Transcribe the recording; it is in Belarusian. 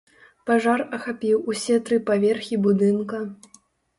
Пажар ахапіў усе тры паверхі будынка.